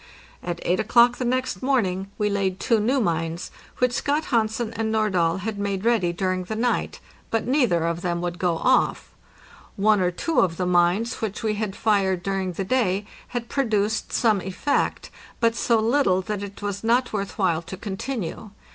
At 8 o'clock the next morning we laid two new mines, which Scott Hansen and Nordahl had made ready during the night, but JANUARY 1 TO MAY 17, 1806 671 neither of them would go off. One or two of the mines which we had fired during the day had produced some effect, but so little that it was not worth while to continue.